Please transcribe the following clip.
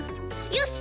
よし！